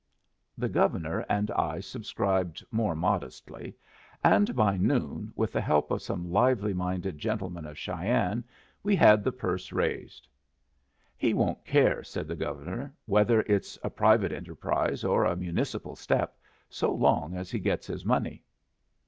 The Governor and I subscribed more modestly, and by noon, with the help of some lively minded gentlemen of Cheyenne, we had the purse raised. "He won't care," said the Governor, "whether it's a private enterprise or a municipal step, so long as he gets his money."